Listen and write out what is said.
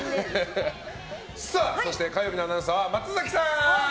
そして火曜日のアナウンサーは松崎さん。